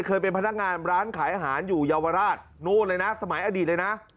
เคยเป็นพนักงานร้านขายอาหารอยู่เยาวราชนู่นเลยนะสมัยอดีตเลยนะ